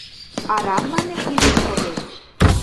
Арам, манеш, лӱдын шогет...